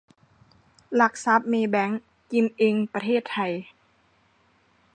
หลักทรัพย์ เมย์แบงก์ กิมเอ็ง ประเทศไทย